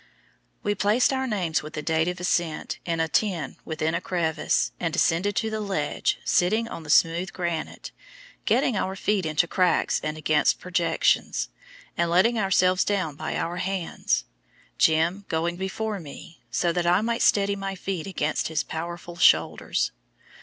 We placed our names, with the date of ascent, in a tin within a crevice, and descended to the Ledge, sitting on the smooth granite, getting our feet into cracks and against projections, and letting ourselves down by our hands, "Jim" going before me, so that I might steady my feet against his powerful shoulders.